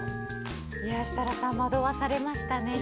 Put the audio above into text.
設楽さん、惑わされましたね。